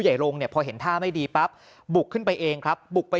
ใหญ่ลงเนี่ยพอเห็นท่าไม่ดีปั๊บบุกขึ้นไปเองครับบุกไป